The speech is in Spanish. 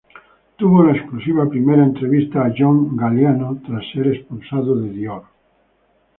Tuvo la exclusiva primera entrevista a John Galliano tras ser expulsado de Dior.